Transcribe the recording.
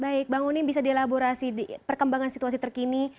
baik bang unim bisa dielaborasi perkembangan situasi terkini